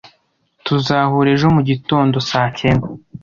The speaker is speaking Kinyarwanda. Tuzahura ejo mugitondo saa cyenda